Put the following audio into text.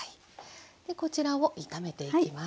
でこちらを炒めていきます。